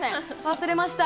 忘れました。